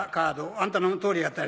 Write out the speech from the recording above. あんたの通りやったら。